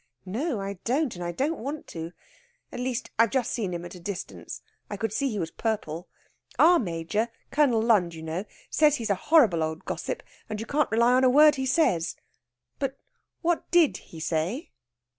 "No, I don't, and I don't want to. At least, I've just seen him at a distance. I could see he was purple. Our Major Colonel Lund, you know says he's a horrible old gossip, and you can't rely on a word he says. But what did he say?"